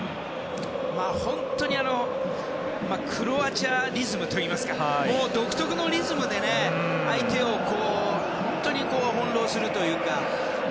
本当にクロアチアリズムといいますか独特のリズムで相手を翻弄するというか。